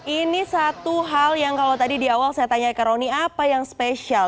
ini satu hal yang kalau tadi di awal saya tanya ke roni apa yang spesial